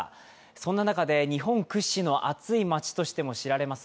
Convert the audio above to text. そんな中で日本屈指の暑い街としても知られます